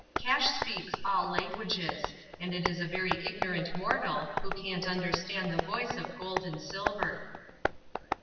Cash speaks all languages, and it is a very ignorant mortal who can't understand the voice of gold and silver.